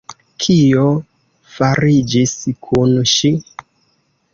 Kio fariĝis kun ŝi?